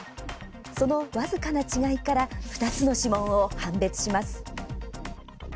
その僅かな違いから２つの指紋を判別します。